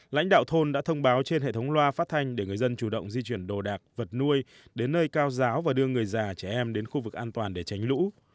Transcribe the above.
lãnh đạo thôn đã thông báo trên hệ thống loa phát thanh để người dân chủ động di chuyển đồ đạc vật nuôi đến nơi cao giáo và đưa người già trẻ em đến khu vực an toàn để tránh lũ